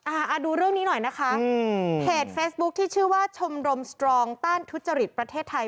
อ่าอ่าดูเรื่องนี้หน่อยนะคะอืมเพจเฟซบุ๊คที่ชื่อว่าชมรมสตรองต้านทุจริตประเทศไทย